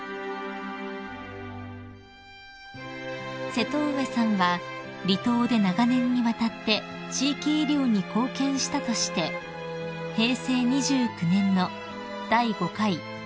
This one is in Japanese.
［瀬戸上さんは離島で長年にわたって地域医療に貢献したとして平成２９年の第５回赤ひげ大賞を受賞］